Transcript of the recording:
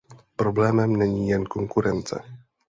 Problémem není jen konkurence.